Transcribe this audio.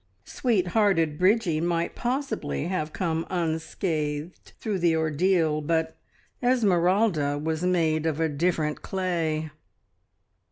Sweet hearted Bridgie might possibly have come unscathed through the ordeal, but Esmeralda was made of a different clay.